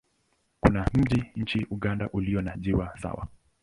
Kuna mji nchini Uganda ulio na jina sawa.